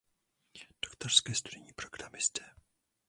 Doktorské studijní programy zde.